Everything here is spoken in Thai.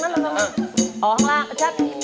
อันทรัป